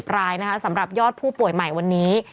รายนะคะสำหรับยอดผู้ป่วยใหม่วันนี้